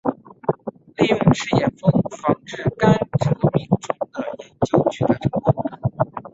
利用赤眼蜂防治甘蔗螟虫的研究取得成功。